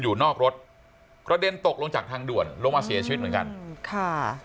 อยู่นอกรถกระเด็นตกลงจากทางด่วนลงมาเสียชีวิตเหมือนกันค่ะ